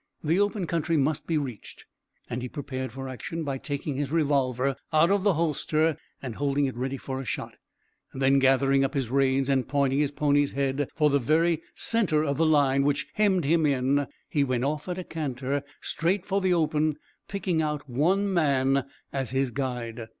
The open country must be reached, and he prepared for action by taking his revolver out of the holster and holding it ready for a shot; then gathering up his reins and pointing his pony's head for the very centre of the line which hemmed him in, he went off at a canter straight for the open, picking out one man as his guide.